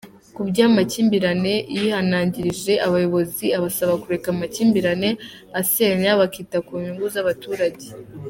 Kuby’amakimbirane yihanangirije abayobozi abasaba kureka amakimbirane asenya bakita ku nyungu z’abaturage.